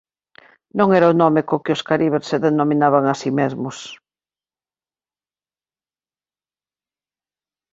Non era o nome co que os caribes se denominaban a se mesmos.